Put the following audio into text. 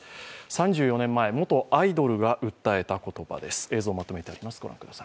３４年前、元アイドルが訴えた言葉です。